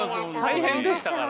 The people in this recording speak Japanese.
大変でしたから。